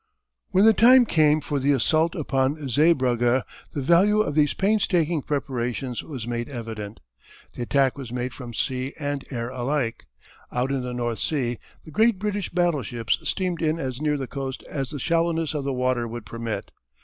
When the time came for the assault upon Zeebrugge the value of these painstaking preparations was made evident. The attack was made from sea and air alike. Out in the North Sea the great British battleships steamed in as near the coast as the shallowness of the water would permit.